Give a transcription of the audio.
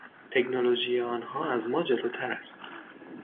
تکنولوژی آنها از ما جلوتر است.